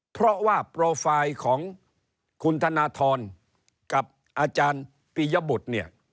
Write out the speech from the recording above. เพราะว่าโปรไฟล์ของคุณธนทรกับอาจารย์ปียบุตรเนี่ย